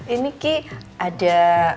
ini kiki ada